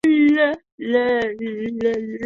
所谓蜡烛罐是一个密封容器。